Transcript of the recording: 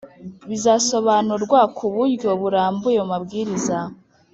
bizasobanurwa ku buryo burambuye mu mabwiriza